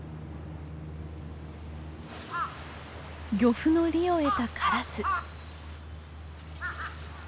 漁夫の利を得たカラス。